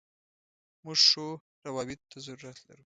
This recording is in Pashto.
موږ ښو راوبطو ته ضرورت لرو.